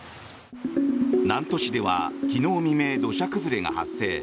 南砺市では昨日未明土砂崩れが発生。